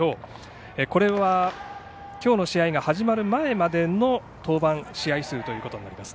きょうの試合が始まる前までの登板試合数ということになります。